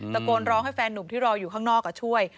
ตะโกนร้องให้แฟนหนุ่มที่รออยู่ข้างนอกช่วย